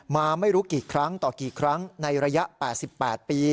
มาไม่รู้กี่ครั้งต่อกี่ครั้งในระยะ๘๘ปี